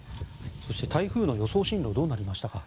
そして台風の予想進路はどうなりましたか？